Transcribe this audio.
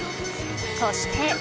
そして。